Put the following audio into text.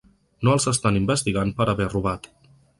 No els estan investigant per haver robat.